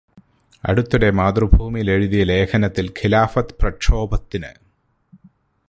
അടുത്തിടെ മാതൃഭൂമിയില് എഴുതിയ ലേഖനത്തില് ഖിലാഫത്ത് പ്രക്ഷോഭത്തിന്.